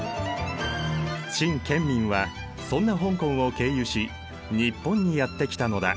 陳建民はそんな香港を経由し日本にやって来たのだ。